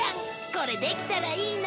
これできたらいいな。